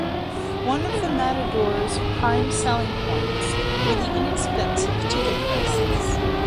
One of the Matadors' prime selling points were the inexpensive ticket prices.